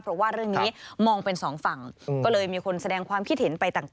เพราะว่าเรื่องนี้มองเป็นสองฝั่งก็เลยมีคนแสดงความคิดเห็นไปต่าง